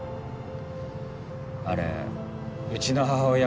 あれうちの母親